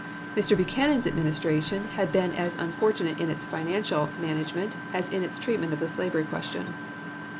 Mr. Buchanan's Administration had been as un fortunate in its financial management as in its treatment of the slavery question.